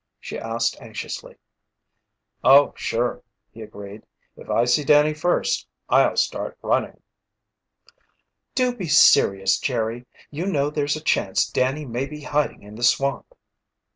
she asked anxiously. "Oh, sure," he agreed. "If I see Danny first, I'll start running." "Do be serious, Jerry! You know, there's a chance Danny may be hiding in the swamp."